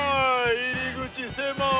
入り口狭い！